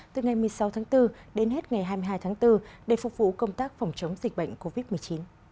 từ ngày một mươi sáu tháng bốn đến hết ngày hai mươi hai tháng bốn để phục vụ công tác phòng chống dịch bệnh covid một mươi chín